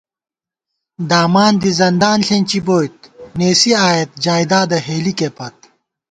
دامان دی زندان ݪېنچی بوئیت ، نېسی آئیت جائیدادہ ہېلِکےپت